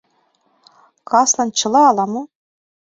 Каслан чыла ала-мо.